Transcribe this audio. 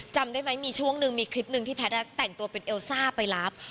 จำได้ไหมมีช่วงหนึ่งมีคลิปหนึ่งที่แพทย์แต่งตัวเป็นเอลซ่าไปรับ